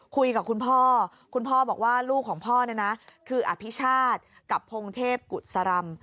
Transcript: คุยกับคุณพ่อคุณพ่อบอกว่าลูกของพ่อเนี่ยนะคืออภิชาติกับพงเทพกุศรำ